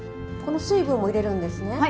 この水分も入れるんですね。